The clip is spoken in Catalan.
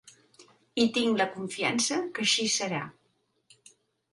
I tinc la confiança que així serà.